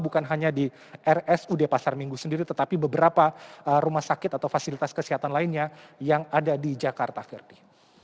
bukan hanya di rsud pasar minggu sendiri tetapi beberapa rumah sakit atau fasilitas kesehatan lainnya yang ada di jakarta ferdi